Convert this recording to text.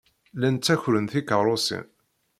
Llan ttakren tikeṛṛusin.